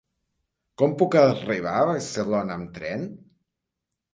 Com puc arribar a Barcelona amb tren?